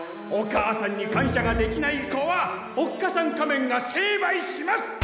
お母さんに感謝ができない子はおっかさん仮面が成敗します！